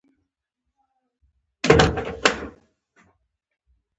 دا پلچکونه په ژورو برخو کې جوړیږي